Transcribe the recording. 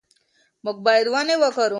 موږ باید ونې وکرو.